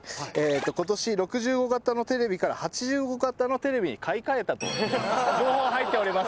今年６５型のテレビから８５型のテレビに買い替えたと情報が入っております。